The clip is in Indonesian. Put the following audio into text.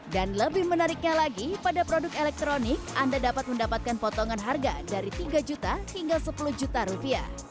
dan lebih menariknya lagi pada produk elektronik anda dapat mendapatkan potongan harga dari rp tiga hingga rp sepuluh